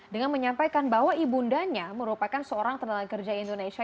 dengan menyampaikan bahwa ibundanya merupakan seorang tenaga kerja indonesia